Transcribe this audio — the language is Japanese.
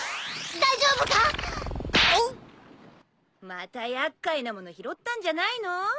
また厄介なもの拾ったんじゃないの？